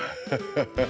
ハハハ！